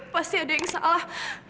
pasti ada yang salah